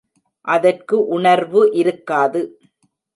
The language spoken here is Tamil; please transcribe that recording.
அதற்கு உணர்வு இருக்காது.